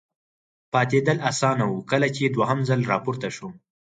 پاتېدل اسانه و، کله چې دوهم ځل را پورته شوم.